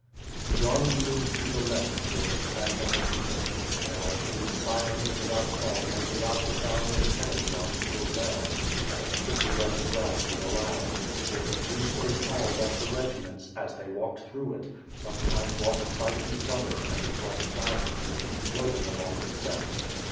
The army moved to the left towards the bank of the Dnieper. Now it moved silently without song and without the sound of the kettle drums, or bells, and as quickly as the gviiss would allow; for it grew so tall that the regiments, as they walked through it, sometimes lost sight of each other and the bright Hags appeared to be floating along the steppes.